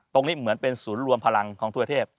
เหมือนเป็นศูนย์รวมพลังของทั่วเทพ